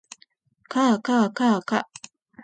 かあかあかあか